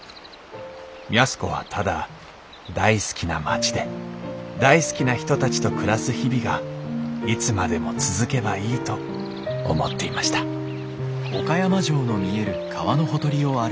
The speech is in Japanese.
安子はただ大好きな町で大好きな人たちと暮らす日々がいつまでも続けばいいと思っていました「よい始め！」。